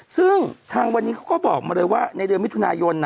ซึ่งทางวันนี้เขาก็บอกมาเลยว่าในเดือนมิถุนายน